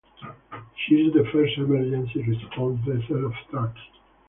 She is the first emergency response vessel of Turkey.